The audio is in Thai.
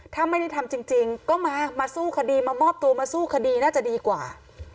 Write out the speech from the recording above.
ถ้าไม่ได้ทำจริงก็มามาสู้คดีมามอบตัวมาสู้คดีน่าจะดีกว่า